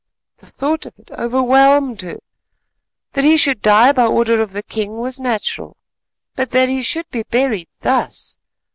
The thought of it overwhelmed her. That he should die by order of the king was natural, but that he should be buried thus!